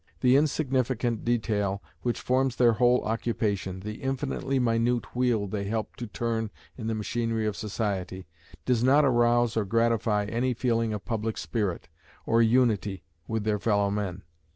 The insignificant detail which forms their whole occupation the infinitely minute wheel they help to turn in the machinery of society does not arouse or gratify any feeling of public spirit, or unity with their fellow men.